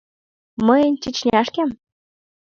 Мыйын Чечняшкем?..